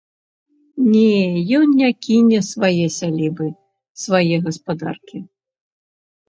Не, ён не кіне свае сялібы, свае гаспадаркі.